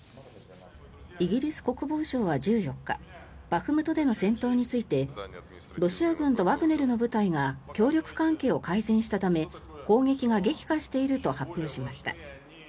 イギリス国防省は１４日バフムトでの戦闘についてロシア軍とワグネルの部隊が協力関係を改善したため攻撃が激化していると発表しました。